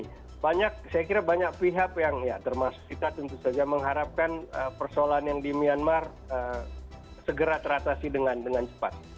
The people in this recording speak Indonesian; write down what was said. saya kira banyak pihak yang ya termasuk kita tentu saja mengharapkan persoalan yang di myanmar segera teratasi dengan cepat